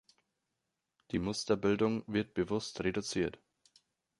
Die Musterbildung wird bewusst reduziert.